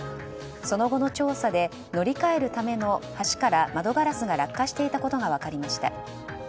その後の調査で乗り換えるための橋から窓ガラスが落下していたことが分かりました。